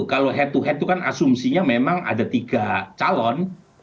kalau head to head itu kan asumsinya memang ada tiga calon